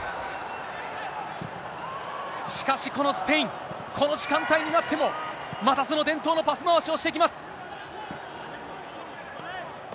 しかし、このスペイン、この時間帯になっても、また伝統のパス回しをしてきます。